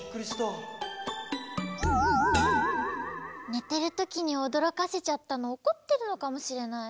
ねてるときにおどろかせちゃったのおこってるのかもしれない。